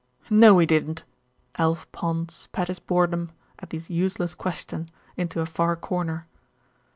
"No he didn't." Alf Pond spat his boredom at these useless questions into a far corner.